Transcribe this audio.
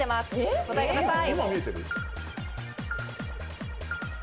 お答えください。